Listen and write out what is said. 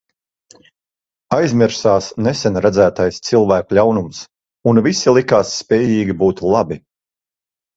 Aizmirsās nesen redzētais cilvēku ļaunums, un visi likās spējīgi būt labi.